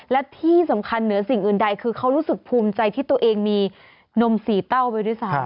และที่สำคัญเหนือสิ่งอื่นใดคือเขารู้สึกภูมิใจที่ตัวเองมีนมสีเต้าไปด้วยซ้ำ